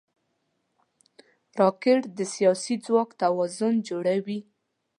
راکټ د سیاسي ځواک توازن جوړوي